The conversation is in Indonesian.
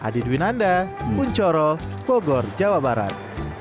adidwin anda uncoro bogor jawa barat